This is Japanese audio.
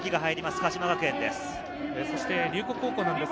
鹿島学園です。